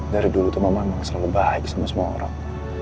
dari dulu tuh mama emang selalu baik sama semua orang